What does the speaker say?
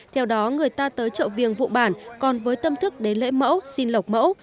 theo đó người ta tới chợ viếng phụ bản còn với tâm thức đến lễ mẫu xin lộc mẫu